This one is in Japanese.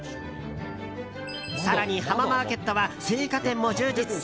更に浜マーケットは青果店も充実。